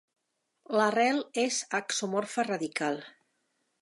L'arrel és axonomorfa radical.